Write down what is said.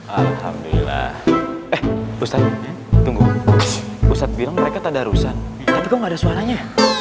alhamdulillah eh ustadz tunggu ustadz bilang mereka tanda arusan tapi kok ada suaranya